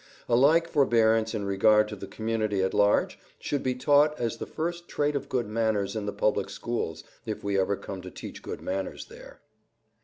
A like forbearance in regard to the community at large should be taught as the first trait of good manners in the public schools, if we ever come to teach good manners there.